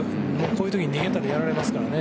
こういうときに逃げたらやられますからね。